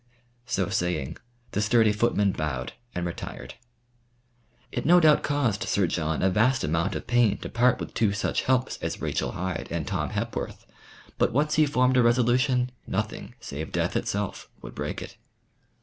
So saying, the sturdy footman bowed and retired. It no doubt caused Sir John a vast amount of pain to part with two such helps as Rachel Hyde and Tom Hepworth; but once he formed a resolution, nothing save death itself would break it.